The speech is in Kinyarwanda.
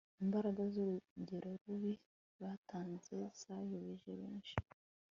imbaraga z'urugero rubi batanze zayobeje benshi